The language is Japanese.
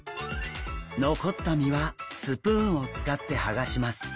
残った身はスプーンを使ってはがします。